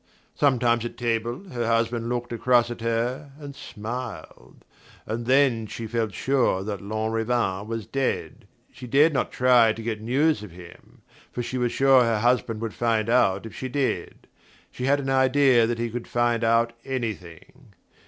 Sometimes at table her husband looked across at her and smiled; and then she felt sure that Lanrivain was dead. She dared not try to get news of him, for she was sure her husband would find out if she did: she had an idea that he could find out anything.